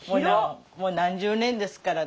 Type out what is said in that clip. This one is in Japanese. もう何十年ですからね。